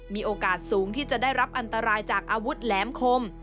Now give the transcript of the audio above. มีโอกาสสูงที่จะได้รับอันตรายจากอาวุธแหลมคม